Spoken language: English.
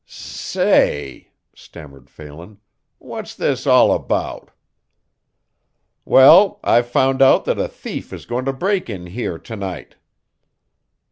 "S s say," stammered Phelan, "what's this all about?" "Well, I've found out that a thief is going to break in here to night."